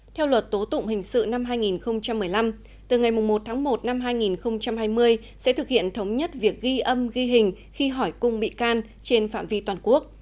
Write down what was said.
theo luật tố tụng hình sự năm hai nghìn một mươi năm từ ngày một tháng một năm hai nghìn hai mươi sẽ thực hiện thống nhất việc ghi âm ghi hình khi hỏi cung bị can trên phạm vi toàn quốc